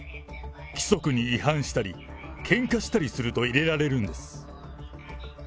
規則に違反したり、けんかしたりすると入れられるんです。